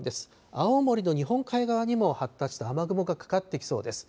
青森の日本海側にも発達した雨雲がかかってきそうです。